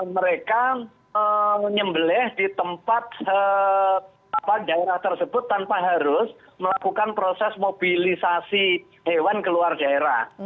mereka menyembelih di tempat daerah tersebut tanpa harus melakukan proses mobilisasi hewan ke luar daerah